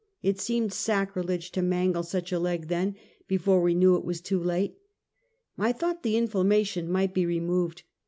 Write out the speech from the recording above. It seemed sacrilege to mangle such a leg then, before we knew it was too late." I thought the inflammation might be removed.